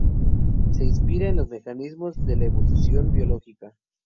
Se inspira en los mecanismos de la Evolución biológica.